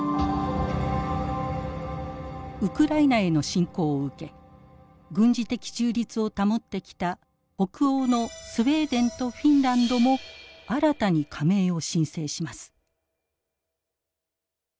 ウクライナへの侵攻を受け軍事的中立を保ってきた北欧のスウェーデンとフィンランドも新たに加盟を申請します。